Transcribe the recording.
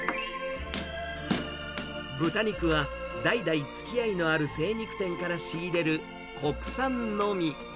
豚肉は代々つきあいのある精肉店から仕入れる国産のみ。